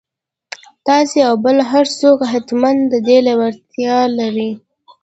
تاسې او بل هر څوک حتماً د دې لېوالتيا لرئ.